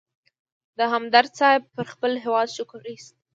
همدرد صیب پر خپل هېواد شکر اېست.